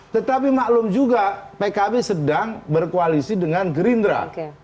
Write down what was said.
tetapi maklum juga pkb sedang berkoalisi dengan gerindra